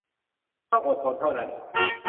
ต้องอดทนเท่านั้น